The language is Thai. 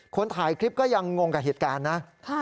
คนถ่ายคลิปก็ยังงงกับเหตุการณ์นะ